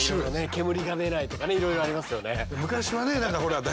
煙が出ないとかねいろいろありますよね。